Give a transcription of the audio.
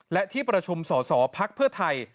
และที่ประชุมสสพไทย